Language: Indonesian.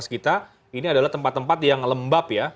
karena kita ini adalah tempat tempat yang lembab ya